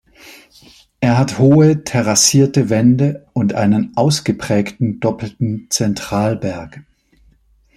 Er hat hohe terrassierte Wände und einen ausgeprägten doppelten Zentralberg.